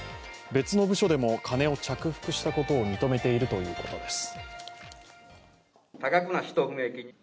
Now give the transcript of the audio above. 別の部署でも金を着服したことを認めているということです。